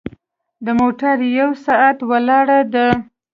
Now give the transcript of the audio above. د موټر یو ساعت لاره ده.